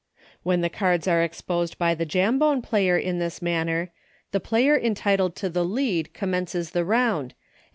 When the cards are exposed by the Jam bone player in this manner, the player enti tled to the lead commences the round, and LAP, SLAM, AND JAMBONE.